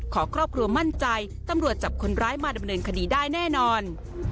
ครอบครัวมั่นใจตำรวจจับคนร้ายมาดำเนินคดีได้แน่นอน